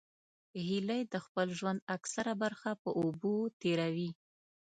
هیلۍ د خپل ژوند اکثره برخه په اوبو تېروي